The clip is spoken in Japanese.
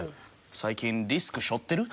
最近リスク背負ってる？